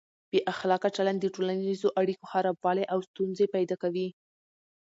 بې اخلاقه چلند د ټولنیزو اړیکو خرابوالی او ستونزې پیدا کوي.